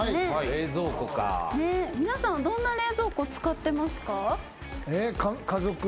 皆さんはどんな冷蔵庫を使ってますか？